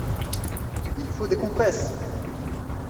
Il faut des compresses!